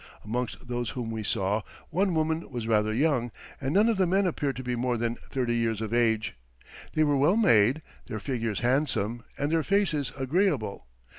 Amongst those whom we saw, one woman was rather young, and none of the men appeared to be more than thirty years of age. They were well made, their figures handsome, and their faces agreeable.